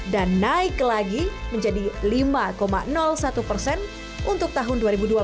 dan naik lagi menjadi lima satu persen untuk tahun dua ribu dua belas